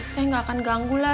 saya nggak akan ganggu lah